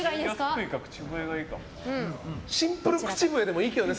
シンプル口笛でもいいけどね。